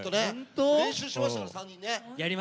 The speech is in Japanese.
練習しましたから、３人ね。